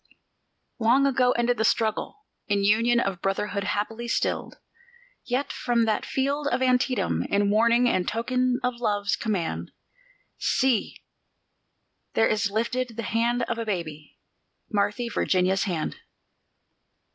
Long ago ended the struggle, in union of brotherhood happily stilled; Yet from that field of Antietam, in warning and token of love's command, See! there is lifted the hand of a baby Marthy Virginia's hand!